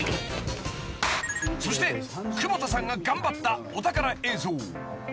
［そして窪田さんが頑張ったお宝映像］